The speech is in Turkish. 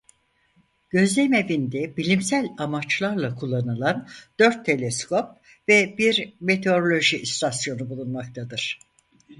Gözlemevinde bilimsel amaçlarla kullanılan dört teleskop ve bir meteoroloji istasyonu bulunmaktadır.